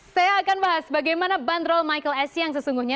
saya akan bahas bagaimana bandrol michael esiang sesungguhnya